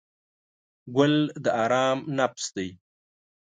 ګل د آرام نفس دی.